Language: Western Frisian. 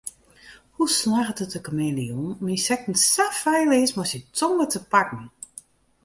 Hoe slagget it de kameleon om ynsekten sa feilleas mei syn tonge te pakken?